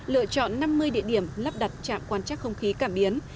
lựa chọn năm mươi địa điểm lắp đặt trạm quan trắc không khí cảm biến